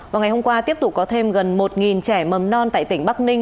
vào ngày hôm qua tiếp tục có thêm gần một trẻ mầm non tại tỉnh bắc ninh